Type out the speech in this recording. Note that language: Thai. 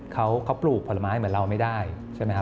เขาปลูกผลไม้เหมือนเราไม่ได้ใช่ไหมครับ